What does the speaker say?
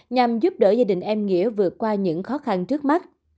nhằm giúp đỡ gia đình em nghĩa vượt qua những khó khăn trước mắt